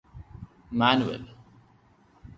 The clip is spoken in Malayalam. മാനുവൽ